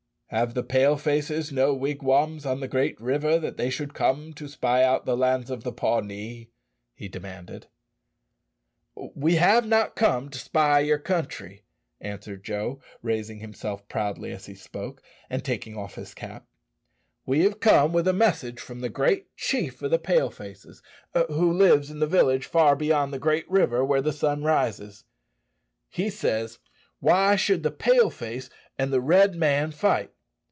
"Have the Pale faces no wigwams on the great river that they should come to spy out the lands of the Pawnee?" he demanded. "We have not come to spy your country," answered Joe, raising himself proudly as he spoke, and taking off his cap. "We have come with a message from the great chief of the Pale faces, who lives in the village far beyond the great river where the sun rises. He says, Why should the Pale face and the Red man fight?